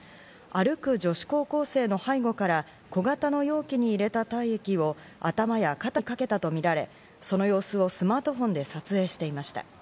歩く女子高校生の背後から小型の容器に入れた体液を頭や肩にかけたとみられ、その様子をスマートフォンで撮影していました。